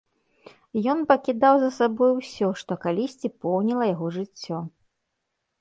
Ён пакідаў за сабою ўсё, што калісьці поўніла яго жыццё.